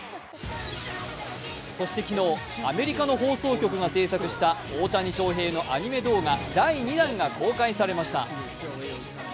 そして昨日、アメリカの放送局が製作した大谷翔平のアニメ動画第２弾が公開されました。